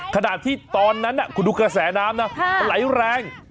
ขนาดที่ตอนนั้นน่ะคุณดูกระแสน้ำนะไหลแรง